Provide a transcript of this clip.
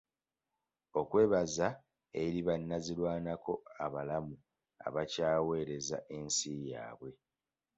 Okwebaza eri ba nazirwanako abalamu abakyaweereza ensi yabwe